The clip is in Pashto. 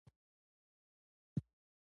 دوی مغلوب ته د شي په سترګه کتل